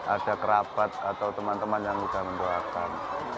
ada kerabat atau teman teman yang sudah mendoakan